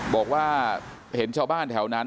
บอกว่าเห็นชาวบ้านแถวนั้น